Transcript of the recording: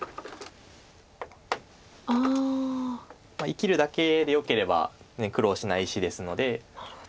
生きるだけでよければ苦労しない石ですので。